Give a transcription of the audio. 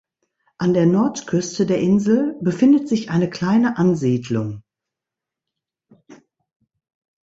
An der Nordküste der Insel befindet sich eine kleine Ansiedlung.